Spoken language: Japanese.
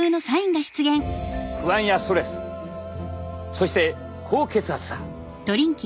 不安やストレスそして高血圧だ。